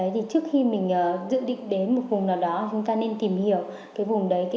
thì trước khi mình dự định đến một vùng nào đó chúng ta nên tìm hiểu cái vùng đấy